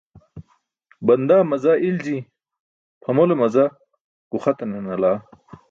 Bandaa maza ilji, phamole maza guxatane nalaa.